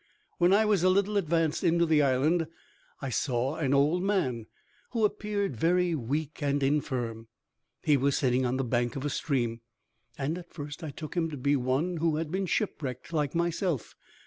When I was a little advanced into the island, I saw an old man, who appeared very weak and infirm. He was sitting on the bank of a stream, and at first I took him to be one who had been shipwrecked like myself.